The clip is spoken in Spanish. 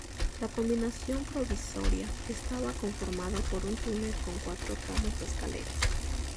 La combinación provisoria estaba conformada por un túnel con cuatro tramos de escaleras.